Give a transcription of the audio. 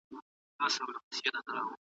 شاید دا د خدای رحمت وي.